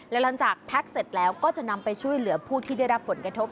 หลังจากแพ็คเสร็จแล้วก็จะนำไปช่วยเหลือผู้ที่ได้รับผลกระทบ